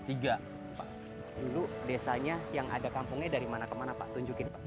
dulu desanya yang ada kampungnya dari mana ke mana pak tunjukin pak